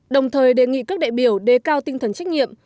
đồng thời đề nghị các đại biểu đề cao tinh thần trách nhiệm